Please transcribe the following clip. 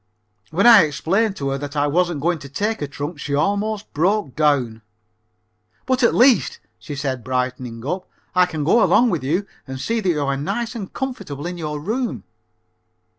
When I explained to her that I wasn't going to take a trunk she almost broke down. "But at least," she said, brightening up, "I can go along with you and see that you are nice and comfortable in your room."